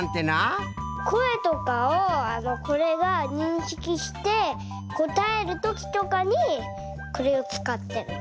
こえとかをこれがにんしきしてこたえるときとかにこれをつかってるの。